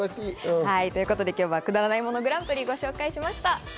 今日は、くだらないものグランプリをご紹介しました。